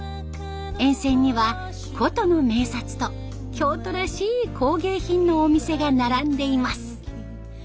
沿線には古都の名刹と京都らしい工芸品のお店が並んでいます。